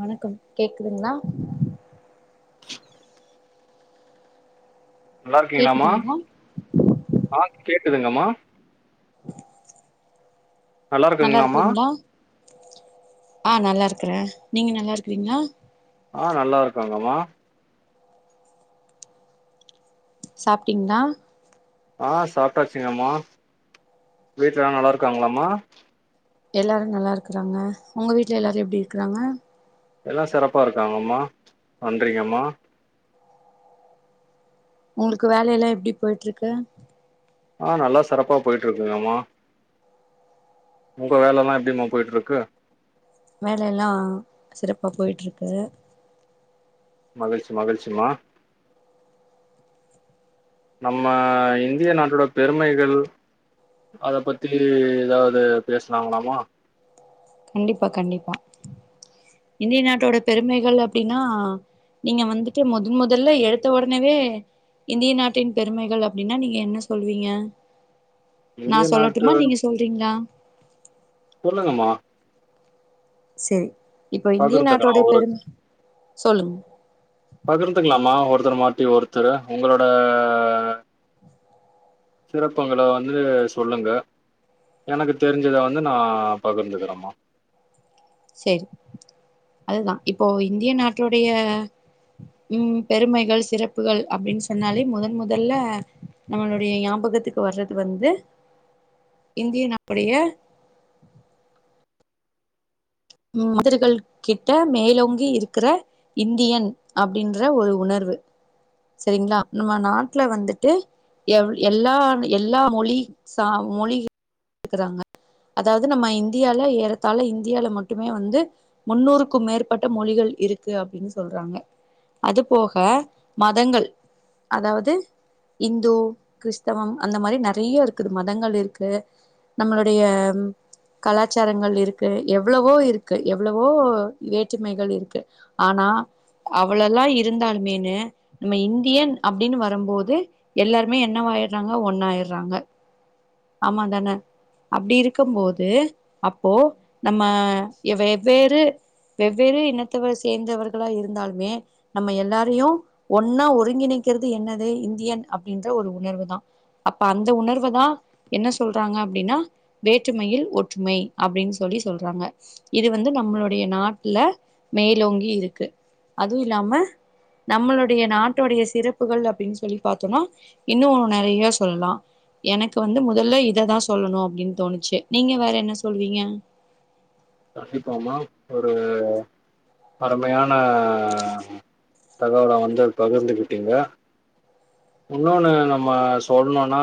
வணக்கம் கேக்குதுங்ளா நல்லா இருக்கீங்ளாமா கேக்குதுங்களா ஆ கேக்குதுங்கமா [inaudible] நல்லாருக்குங்ளாமா அ நல்லாருக்குற நீங்க நல்லாருக்றீங்ளா அ நல்லாருக்கங்கமா சாப்ட்டீங்ளா அ சாப்ட்டாச்சுங்கமா வீட்ல எல்லா நல்லாருக்காங்களாமா எல்லாரு நல்லாருக்கறாங்க உங்க வீட்ல எல்லாரு எப்டி இருக்குறாங்க எல்லா சிறப்பா இருக்காங்கம்மா நன்றிங்கம்மா உங்களுக்கு வேலையெல்லா எப்டி போயிட்டுருக்கு ஆஹ் நல்லா சிறப்பா போயிட்டு இருக்குங்கம்மா உங்க வேல எல்லா எப்டிம்மா போயிட்டுருக்கு வேலேல்லா சிறப்பா போயிட்டுருக்கு மகிழ்ச்சி மகிழ்ச்சிமா நம்ம இந்திய நாட்டோட பெருமைகள் அத பத்தி ஏதாவது பேசலாங்களாமா கண்டிப்பா கண்டிப்பா இந்திய நாட்டோட பெருமைகள் அப்டின்னா நீங்க வந்துட்டு முதன் முதல்ல எடுத்த உடனவே இந்திய நாட்டின் பெருமைகள் அப்டின்னா நீங்க என்ன சொல்லுவீங்க இந்திய நான் நாட்டு சொல்லட்டுமா நீங்க சொல்றீங்ளா சொல்லுங்கம்மா. சேரி இப்போ இந்திய பகிர்ந்துக்கலாம். நாட்டோடைய பெருமை சொல்லுங்க பகிர்ந்துக்கலாமா ஒருத்தர் மாத்தி ஒருத்தரு உங்களோட சிறப்புங்களை வந்து சொல்லுங்க எனக்கு தெரிஞ்சத வந்து நா பகிர்ந்துக்கிறமா சேரி அதுதா இப்போ இந்திய நாட்டுடைய உம் பெருமைகள் சிறப்புகள் அப்டின்னு சொன்னாலே முதன் முதல்ல நம்மளுடைய ஞாபகத்துக்கு வர்றது வந்து இந்திய நாட்டுடைய மதர்கள் கிட்ட மேலோங்கி இருக்கிற இந்தியன் அப்டின்ற ஒரு உணர்வு சேரிங்களா நம்ம நாட்ல வந்துட்டு எவ் எல்லா எல்லா மொழி ச மொழி இருக்கறாங்க அதாவது நம்ம இந்தியால ஏறத்தால இந்தியால மட்டுமே வந்து முன்னூறுக்கு மேற்பட்ட மொழிகள் இருக்கு அப்டின்னு சொல்றாங்க அது போக மதங்கள் அதாவது இந்து கிறிஸ்தவம் அந்த மாரி நெறைய இருக்குது மதங்கள் இருக்கு நம்மளுடைய கலாச்சாரங்கள் இருக்கு எவ்ளவோ இருக்கு எவ்ளவோ வேற்றுமைகள் இருக்கு ஆனா அவ்ளல்லா இருந்தாலுமேன்னு நம்ம இந்தியன் அப்டின்னு வரும்போது எல்லாருமே என்னவாயற்றாங்க ஒண்ணாயற்றாங்க ஆமாங் தான அப்டி இருக்கு போது அப்போ நம்ம வெவ்வேறு வெவ்வேறு இனத்தவ சேர்ந்தவர்களா இருந்தாலுமே நம்ம எல்லாரையு ஒன்னா ஒருங்கிணைக்கிறது என்னது இந்தியன் அப்டின்ற ஒரு உணர்வு தா அப்ப அந்த உணர்வ தா என்ன சொல்றாங்க அப்டின்னா வேற்றுமையில் ஒற்றுமை அப்டின்னு சொல்லி சொல்றாங்க இது வந்து நம்மளுடைய நாட்டுல மேலோங்கி இருக்கு அதுவு இல்லாம நம்மளுடைய நாட்டோடைய சிறப்புகள் அப்டின்னு சொல்லி பாத்தோனா இன்னு நறைய சொல்லலா எனக்கு வந்து முதல்ல இத தா சொல்லணு அப்டின் தோணுச்சு நீங்க வேற என்ன சொல்லுவீங்க கண்டிப்பாமா ஒரு அருமையான தகவல வந்து பகிர்ந்துகிட்டீங்க இன்னொன்னு நம்ம சொல்லணுனா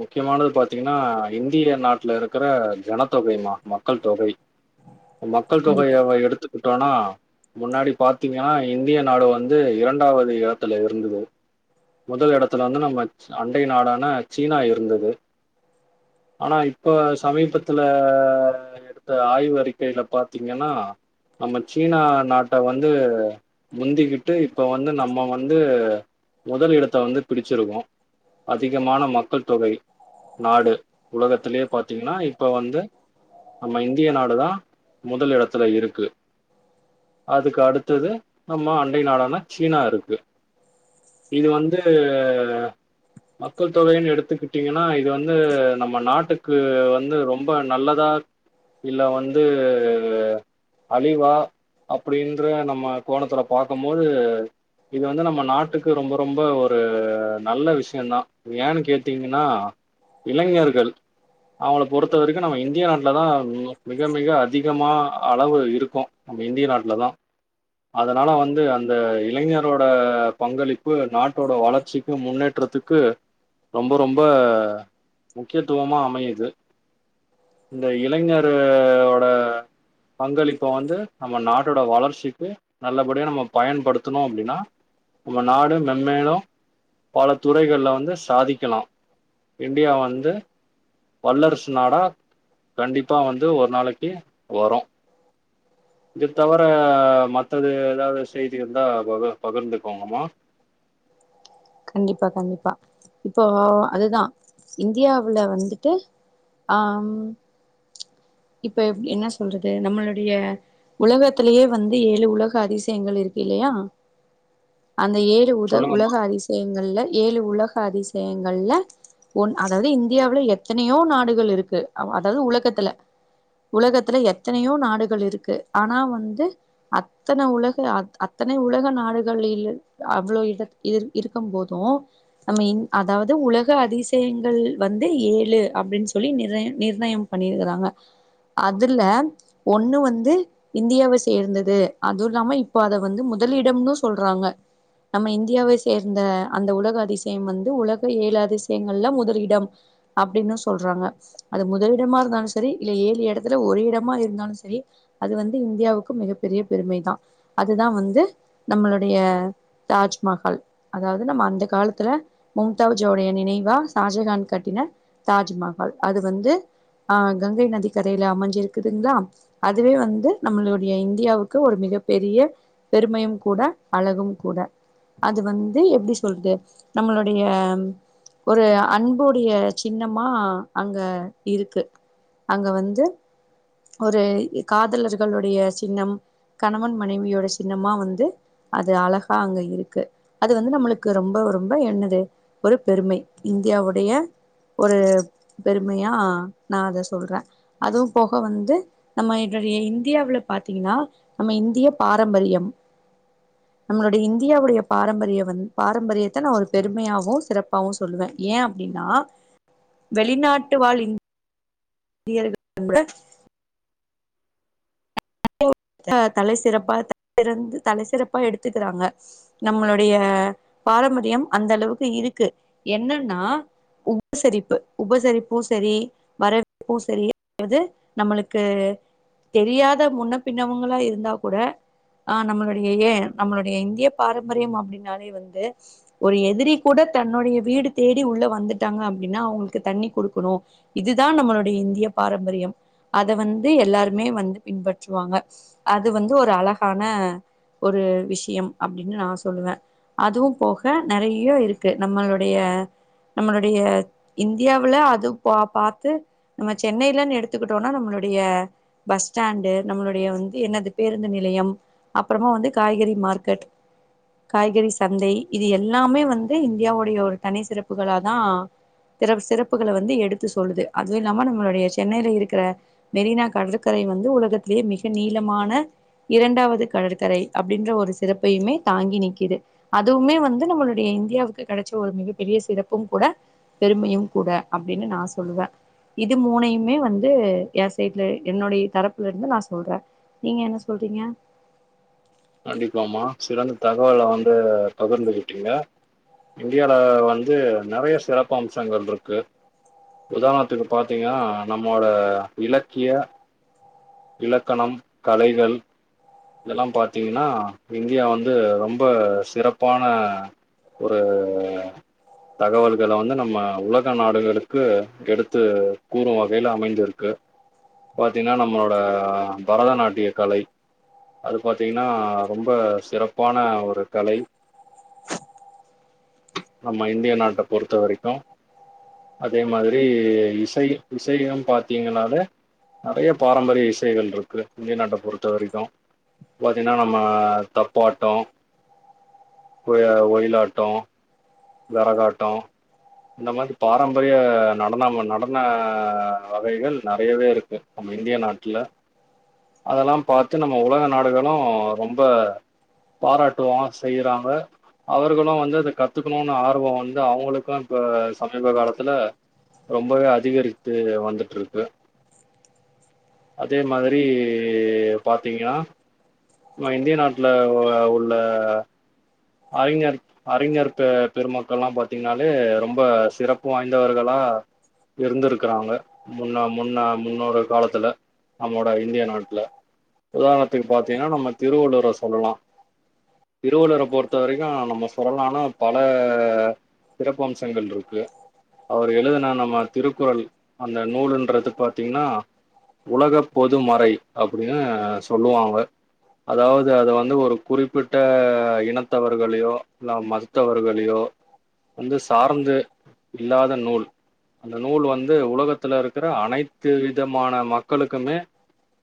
முக்கியமானது பாத்தீங்கன்னா இந்திய நாட்டுல இருக்கிற ஜனத்தொகைமா மக்கள் தொகை மக்கள் கண்டிப்பா தொகையவ எடுத்துக்கிட்டோனா முன்னாடி பாத்தீங்கன்னா இந்திய நாடு வந்து இரண்டாவது இடத்துல இருந்தது முதல் இடத்துல வந்து நம்ம அண்டை நாடான சீனா இருந்தது ஆனா இப்ப சமீபத்துல எடுத்த ஆய்வு அறிக்கையில பாத்தீங்கன்னா நம்ம சீனா நாட்ட வந்து முந்திக்கிட்டு இப்ப வந்து நம்ம வந்து முதல் இடத் தா வந்து பிடிச்சிருக்கோ அதிகமான மக்கள் தொகை நாடு உலகத்திலே பாத்தீங்கன்னா இப்ப வந்து நம்ம இந்திய நாடு தா முதல் இடத்துல இருக்கு அதுக்கு அடுத்தது நம்ம அண்டை நாடான சீனா இருக்கு இது வந்து டு மக்கள் தொகைன்னு எடுத்துக்கிட்டீங்கன்னா இது வந்து நம்ம நாட்டுக்கு வந்து ரொம்ப நல்லதா இல்ல வந்து அழிவா அப்டின்ற நம்ம கோணத்துல பாக்கும்போது இது வந்து நம்ம நாட்டுக்கு ரொம்ப ரொம்ப ஒரு ஒரு நல்ல விஷயந்தா ஏன்னு கேட்டீங்கன்னா இளைஞர்கள் அவங்கள பொறுத்த வரைக்கு நம்ம இந்திய நாட்ல தா மிக மிக அதிகமா அளவு இருக்கு நம்ம இந்திய நாட்டல தா அதனால வந்து அந்த இளைஞரோட பங்களிப்பு நாட் நாட்டோட வளர்ச்சிக்கு முன்னேற்றத்துக்கு ரொம்ப ரொம்ப முக்கியத்துவமா அமையுது இந்த இளைஞரோட பங்களிப்ப வந்து நம்ம நாட்டோட வளர்ச்சிக்கு நல்லபடியா நம்ம பயன்படுத்தணு அப்டின்னா நம்ம நாடு ம முன்னேறு பல துறைகள்ல வந்து சாதிக்கலா இந்தியா வந்து வல்லரசு நாடா கண்டிப்பா வந்து ஒரு நாளைக்கி வரு இது தவிர மத்தது ஏதாவது செய்தி இருந்தா பகிர் பகிர்ந்துக்கோங்கம்மா கண்டிப்பா கண்டிப்பா இப்போ அதுதா இந்தியாவுல வந்துட்டு ஆம் இப்ப எப் என்ன சொல்றது நம்மளுடைய உலகத்திலயே வந்து ஏழு உலக அதிசயங்கள் இருக்கு இல்லையா அந்த ஏழு உத உலக சொல்லுங்கம்மா அதிச அதிசயங்க்ல ஏழு உலக அதிசயங்கள்ல ஒன் அதாவது இந்தியாவுல எத்தனையோ நாடுகள் இருக்கு அதாவது உலகத்துல உலகத்துல எத்தனையோ நாடுகள் இருக்கு ஆனா வந்து அத்தன உலக அத்தனை உலக நாடுகளில் அவ்வளோ இட இருக்கம்போது நம்ம அதாவது உலக அதிசயங்கள் வந்து ஏழு அப்டின்னு சொல்லி நிர நிர்ணயம் பண்ணிருக்கறாங்க அதுல ஒண்ணு வந்து இந்தியாவ சேர்ந்தது அதுவு இல்லாம இப்ப அத வந்து முதலிடம்ன்னு சொல்றாங்க நம்ம இந்தியாவை சேர்ந்த அந்த உலக அதிசயம் வந்து உலக ஏழு அதிசயங்கள்ல முதல் இடம் அப்டின்னு சொல்றாங்க அது முதலிடமா இருந்தாலு சரி இல்ல ஏழு எடத்துல ஒரு இடமா இருந்தாலு செரி அது வந்து இந்தியாவுக்கு மிகப்பெரிய பெருமை தா அதுதா வந்து நம்மளுடைய தாஜ்மஹால் அதாவது நம்ம அந்த காலத்துல மும்தாஜ்வுடைய நினைவா ஷாஜகான் கட்டின தாஜ்மஹால் அது வந்து ஆ கங்கை நதி கரையில அமஞ்சிருக்குதுங்களா அதுவே வந்து நம்மளுடைய இந்தியாவுக்கு ஒரு மிகப் பெரிய பெருமையும் கூட அழகும் கூட அது வந் து எப்டி சொல்றது நம்மளுடைய ஒரு அன்புடைய சின்னமா அங்க இருக்கு அங்க வந்து ஒரு காதலர்களுடைய சின்னம் கணவன் மனைவியோட சின்னமா வந்து அது அழகா அங்க இருக்கு அது வந்து நம்மளுக்கு ரொம்ப ரொம்ப என்னது ஒரு பெருமை இந்தியாவுடைய ஒரு பெருமையா நா அத சொல்ற அதுவு போக வந்து நம்ம என்னுடைய இந்தியாவுல பாத்திங்கன்னா நம்ம இந்திய பாரம்பரியம் நம்மளுடைய இந்தியாவுடைய பாரம்பரிய வந் பாரம்பரியத்த நா ஒரு பெருமையாவு சிறப்பாவு சொல்லுவ ஏ அப்படின்னா வெளிநாட்டு வாழ் இந் தியர்கள் கூட [inaudible] தல சிறப்பா தல சிறந்து தல சிறப்பா எடுத்துக்கறாங்க நம்மளுடைய பாரம்பரியம் அந்த அளவுக்கு இருக்கு என்னன்னா உ சரிப்பு உபசரிப்பு செரி வர ப்பு செரி அது நம்மளுக்கு தெரியா த முன்ன பின்னவங்களா இருந்தா கூட ஆ நம்மளுடைய ஏ நம்மளுடைய இந்திய பாரம்பரியம் அப்டின்னாலே வந்து ஒரு எதிரி கூட தன்னுடைய வீடு தேடி உள்ள வந்துட்டாங்க அப்டின்னா அவுங்களுக்கு தண்ணி குடுக்கணு இதுதா நம்மளுடைய இந்திய பாரம்பரியம் அத வந்து எல்லாருமே வந்து பின்பற்றுவாங்க அது வந்து ஒரு அழகான ஒரு விஷயம் அப்டின்னு நா சொல்லுவ அதுவு போக நறைய இருக்கு நம்மளுடைய நம்மளுடைய இந்தியாவுல அது பா பாத்து நம்ம சென்னையிலன் எடுத்துக்கிட்டோனா நம்மளுடைய பஸ் ஸ்டாண்டு நம்மளுடைய வந்து என்னது பேருந்து நிலையம் அப்பறமா வந்து காய்கறி மார்க்கெட் காய்கறி சந்தை இது எல்லாமே வந்து இந்தியாவுடைய ஒரு தனி சிறப்புகளா தா பிற சிறப்புகள வந்து எடுத்து சொல்லுது அதுவு இல்லாம நம்மளுடைய சென்னையில இருக்கற மெரினா கடற்கரை வந் து உலகத்துலயே மிக நீளமான இரண்டாவது கடற்கரை அப்டின்ற ஒரு சிறப்பையுமே தாங்கி நக்கிது அதுவுமே வந்து நம்மளுடைய இந்தியாவுக்கு கெடைச்ச ஒரு மிகப்பெரிய சிறப்பும் கூட பெருமையும் கூட அப்டின்னு நா சொல்லுவ இது மூணையுமே வந்து எ சைடுல என்னுடைய தரப் புலருந்து நா சொல்ற நீங்க என்ன சொல்றீங்க கண்டிப்பா மா சிறந்த தகவல் வந்து பகிர்ந்துகிட்டீங்க இந்தியால வந்து நெறையா சிறப்பம்சங்கள் இருக்கு உதாணத்துக்கு பாத்தீங்கனா நம்மோட இலக்கிய இலக்கணம் கலைகள் இதெல்லாம் பாத் த்திங்னா இந்தியா வந்து ரொம்ப சிறப்பான ஒரு தகவல்கள் வந்து நம்ம உலக நாடுகளுக்கு எடுத்து கூறு வகையில அமஞ்சிருக்கு பாத்தின்னா நம்மளோட பரதநாட்டிய கலை அது பாத் பாத்தீங்னா ரொம்ப சிறப் [unintelligible] பாத்தின்னா நம்ம தப்பாட்டோ ஓ ய ஒயிலாட்டோ வெறகாட்டோ இந்த மாரி பாரம்பரிய நடன நடன வகைகள் நறையவே இருக்கு நம்ம இந்திய நாட்டுல அதெல்லா பாத்து நம்ம உலக நா இதெல்லாம் ரொம்ப பாராட்டுவோம் செய்றாங்க அவர்களும் வந்து அத கத்துக்குணும்னு ஆர்வம் வந்து அவுங்ளுக்கும் இப்ப சமீப காலத்துல ரொம்பவே அதிகரித்து வந்துட்டு இருக்கு அதே மாதிரி பாத்தீங்னா நம்ம இந்திய நாட்டுல உள்ள அறிஞர் அறிஞர் பெ பெருமக்கள்லாம் பாத்தீங்னாலே ரொம்ப சிறப்பு வாய்ந்தவர்களா இருந்துருக்குறாங்க முன்ன முன்ன முன்னொரு காலத்துல நம்மோட இந்திய நாட்ல உதாரணத்துக்கு பாத்தீங்னா நம்ம திருவள்ளூவர் சொல்லலா திருவள்ளூவர பொறுத் பொறுத்த வரைக்கு நம்ம சுறுலான பல சிறப்பம்சங்கள் இருக்கு அவர் எழுதுன நம்ம திருக்குறள் அந்த நூலுன்றது பாத்தீங்னா உலக பொது மறை அப்டின்னு சொல்லுவாங்க அதாவது அத வந்து ஒரு குறிப்பிட்ட இனத் மத்தவர்களையோ இல்ல மதத்தவர்களையோ வந்து சார்ந்து இல்லாத நூல் அந்த நூல் வந்து உலகத்துல இருக்கற அனைத்து விதமான மக்களுக்குமே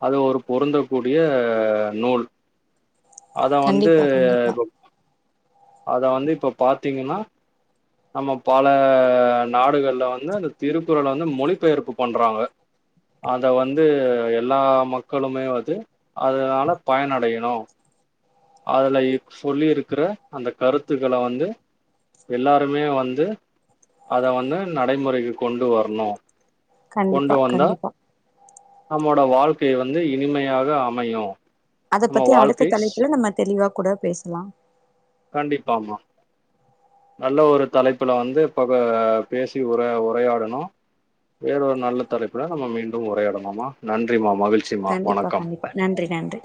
அது ஒரு பொருந்தக்கூடிய நூல் அத வந்து கண்டிப்பா கண்டிப்பா இப்போப் அத வந்து இப்ப பாத்தீங்னா நம்ம பல நாடுகள்ல வந்து அந்த திருக்குறள்ள வந்து மொலிப் பெயர்ப்பு பண்றாங்க அத வந்து எல்லா மக்களுமே வந்து அதனால பயனடையனோ அதுல ப் சொல்லி இருக்குற அந்த கருத்துக்கள வந்து எல்லாருமே வந்து அத வந்து நடைமுறைக்கு கொண்டு வரணு கண்டிப்பா கொண்டு வந்தா கண்டிப்பா நம்மோட வாழ்க்கை வந்து இனிமையாக அமையு அத நம்ம பத்தி அடுத்த வாழ்க்கை ஸ்- தலைப்புல நம்ம தெளிவாப் கூட பேசலாம் கண்டிப்பாமா நல்ல ஒரு தலைப்புல வந்துப் பக பேசி உர உரையாடனோ வேற ஒரு நல்ல தலைப்புல நம்ம மீண்டு உரையாடனுமா நன்றி மா கண்டிப்பா கண்டிப்பா நன்றி நன்றி